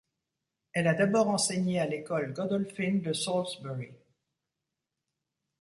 Elle a d'abord enseigné à l'École Godolphin, de Salisbury.